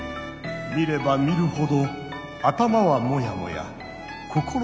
見れば見るほど頭はモヤモヤ心もモヤモヤ。